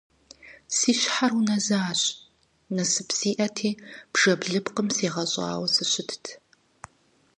Си щхьэр унэзащ, насып сиӀэти бжэблыпкъым сегъэщӀауэ сыщытт.